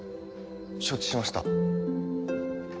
承知しました。